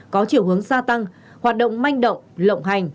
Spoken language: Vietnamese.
có chiều hướng gia tăng hoạt động manh động lộng hành